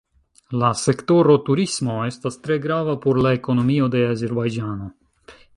La sektoro turismo estas tre grava por la ekonomio de Azerbajĝano.